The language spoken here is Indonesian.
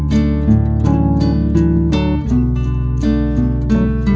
laki lo kagak dimari